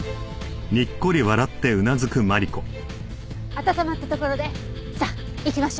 温まったところでさあ行きましょう！